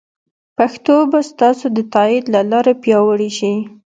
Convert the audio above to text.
پښتو به ستاسو د تایید له لارې پیاوړې شي.